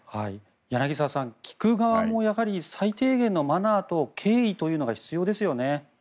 柳澤さん聞く側も、最低限のマナーと敬意というのが必要ですよね。